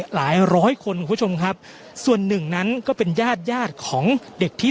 หลายร้อยคนคุณผู้ชมครับส่วนหนึ่งนั้นก็เป็นญาติญาติของเด็กที่